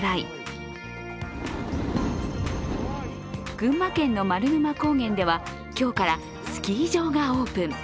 群馬県の丸沼高原では今日からスキー場がオープン。